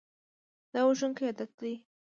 دا وژونکی عادت دی.